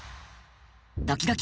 ドキドキ。